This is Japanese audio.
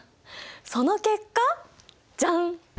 その結果ジャン！